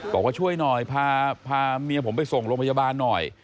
บอกว่าช่วยหน่อยพาเมียผมไปส่งโรงพยาบาลหน่อย